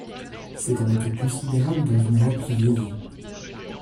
C’est un atout considérable dans une Europe qui vieillit.